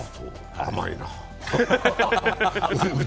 甘いなぁ。